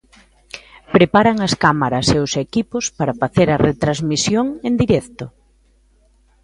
Preparan as cámaras e os equipos para facer a retransmisión en directo.